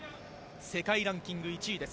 世界ランキング１位です。